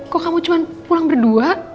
kok kamu cuma pulang berdua